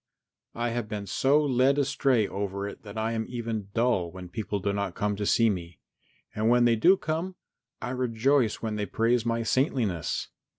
I have been so led astray over it that I am even dull when people do not come to see me, and when they do come, I rejoice when they praise my saintliness.